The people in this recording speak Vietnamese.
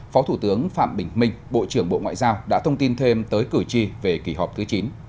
phó thủ tướng phạm bình minh bộ trưởng bộ ngoại giao đã thông tin thêm tới cử tri về kỳ họp thứ chín